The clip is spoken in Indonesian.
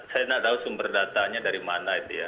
saya tidak tahu sumber datanya dari mana itu ya